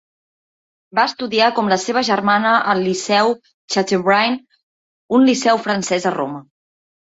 Va estudiar com la seva germana al Liceu Chateaubriand, un liceu francès a Roma.